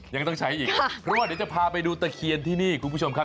ยังต้องใช้อีกเพราะว่าเดี๋ยวจะพาไปดูตะเคียนที่นี่คุณผู้ชมครับ